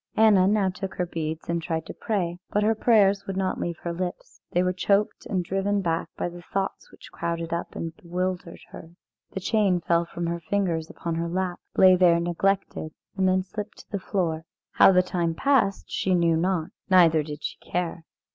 Anna now took her beads and tried to pray, but her prayers would not leave her lips; they were choked and driven back by the thoughts which crowded up and bewildered her. The chain fell from her fingers upon her lap, lay there neglected, and then slipped to the floor. How the time passed she knew not, neither did she care.